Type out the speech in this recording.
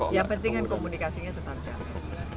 yang penting kan komunikasinya tetap jalan